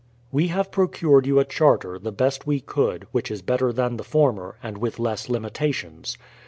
We have procured you a charter, the best we could, which is better than the former, and with less limitations.